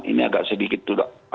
ini agak sedikit